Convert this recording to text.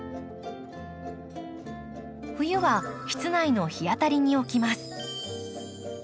冬は室内の日当たりに置きます。